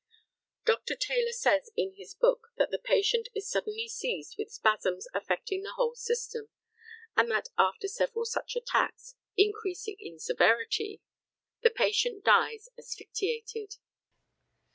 Dr. Taylor says in his book, that the patient is suddenly seized with spasms affecting the whole system, and that after several such attacks, increasing in severity, the patient dies asphyxiated.